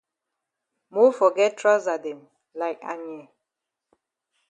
Mofor get trousa dem like Anye.